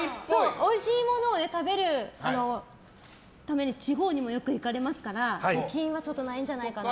おいしいものを食べるために地方にもよく行かれますから貯金はないんじゃないかなと。